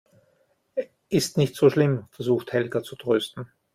Ist nicht so schlimm, versucht Helga zu trösten.